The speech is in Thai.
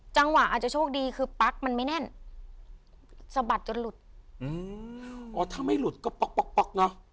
อาจจะโชคดีคือปั๊กมันไม่แน่นสะบัดจนหลุดอืมอ๋อถ้าไม่หลุดก็ป๊อกป๊อกป๊อกเนอะ